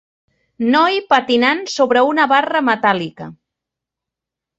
Noi patinant sobre una barra metàl·lica.